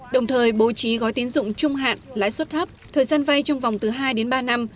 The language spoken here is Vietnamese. đồng thời bố trí gói tín dụng trung hạn lãi suất thấp thời gian vay trong vòng từ hai đến ba năm